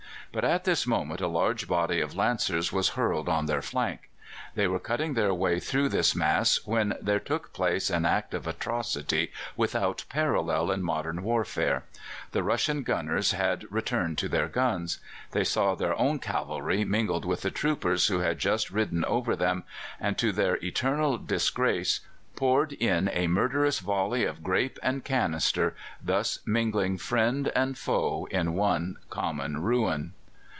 But at this moment a large body of Lancers was hurled on their flank. They were cutting their way through this mass when there took place an act of atrocity without parallel in modern warfare. The Russian gunners had returned to their guns: they saw their own cavalry mingled with the troopers who had just ridden over them, and, to their eternal disgrace, poured in a murderous volley of grape and canister, thus mingling friend and foe in one common ruin.